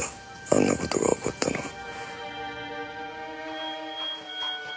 あんなことが起こったのは。